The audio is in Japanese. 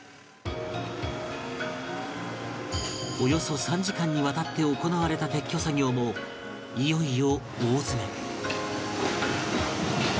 およそ３時間にわたって行われた撤去作業もいよいよ大詰め